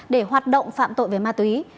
để hoạt động phạm tội với ma túy